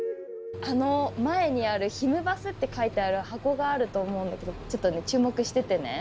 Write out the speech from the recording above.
前にある「ひむバス！」って書いてある箱があると思うんだけどちょっとね注目しててね。